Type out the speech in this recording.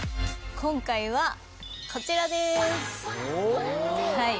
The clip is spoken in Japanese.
今回はこちらです。